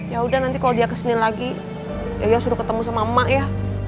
yaudah nanti kalau dia kesenin lagi yoyoh suruh ketemu sama mak ya